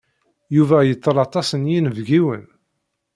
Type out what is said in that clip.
Yuba yettel aṭas n yinebgiwen?